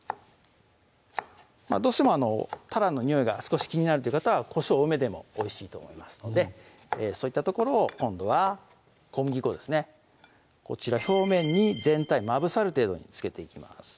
どうしてもたらのにおいが少し気になるという方はこしょう多めでもおいしいと思いますのでそういったところを今度は小麦粉ですねこちら表面に全体まぶさる程度に付けていきます